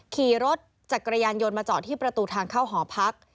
ขี่รถจักรยานยนต์มาจอดที่ประตูทางเข้าหอพัก